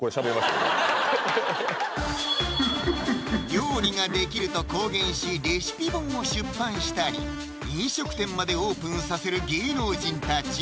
料理ができると公言しレシピ本を出版したり飲食店までオープンさせる芸能人たち